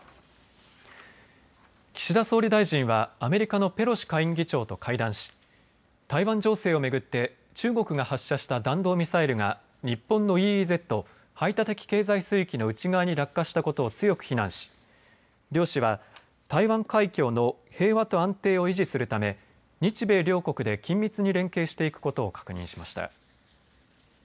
岸田総理大臣はアメリカのペロシ下院議長と会談し台湾情勢を巡って中国が発射した弾道ミサイルが日本のＥＥＺ・排他的経済水域の内側に落下したことを強く非難し両氏は台湾海峡の平和と安定を維持するため日米両国で緊密に連携していくことを確認しました。